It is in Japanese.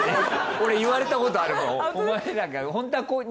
俺言われたことあるもん。